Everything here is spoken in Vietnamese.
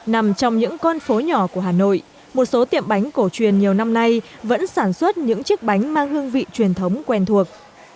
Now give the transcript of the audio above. nằm trong những con phố nhỏ của hà nội một số tiệm bánh cổ truyền nhiều năm nay vẫn sản xuất những chiếc bánh mang hương vị truyền thống quen thuộc